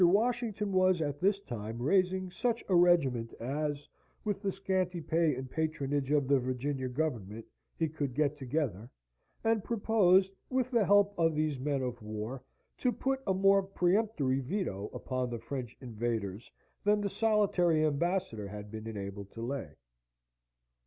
Washington was at this time raising such a regiment as, with the scanty pay and patronage of the Virginian government, he could get together, and proposed, with the help of these men of war, to put a more peremptory veto upon the French invaders than the solitary ambassador had been enabled to lay.